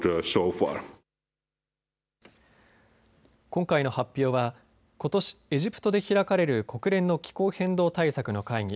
今回の発表はことし、エジプトで開かれる国連の気候変動対策の会議